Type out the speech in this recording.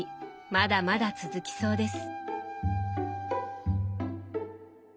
まだまだ続きそうです。